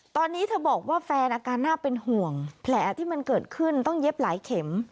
ตอนนี้เธอบอกว่าแฟนอาการน่าเป็นห่วงแผลที่มันเกิดขึ้นต้องเย็บหลายเข็ม